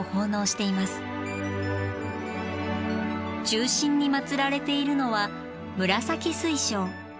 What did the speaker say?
中心に祀られているのは紫水晶。